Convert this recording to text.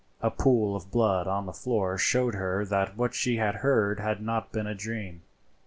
A pool of blood on the floor showed her that what she had heard had not been a dream.